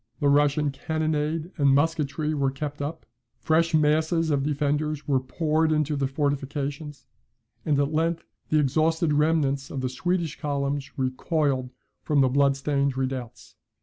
The Russian cannonade and musketry were kept up; fresh masses of defenders were poured into the fortifications, and at length the exhausted remnants of the Swedish columns recoiled from the blood stained redoubts.